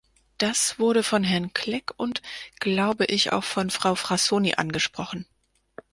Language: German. Das wurde von Herrn Clegg und, glaube ich, auch von Frau Frassoni angesprochen.